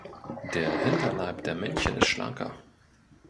Der Hinterleib der Männchen ist schlanker.